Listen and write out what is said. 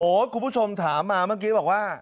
คุณผู้ชมถามมาเมื่อกี้บอกว่า